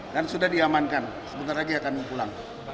dan sudah diamankan sebentar lagi akan pulang